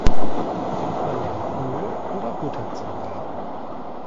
Nimmt man da Öl oder Butter zum Braten?